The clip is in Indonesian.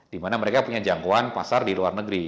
di mana mereka punya jangkauan pasar di luar negeri